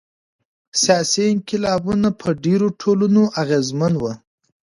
سیاسي انقلابونه په ډیرو ټولنو اغیزمن وو.